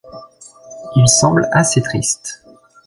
Il semble assez triste.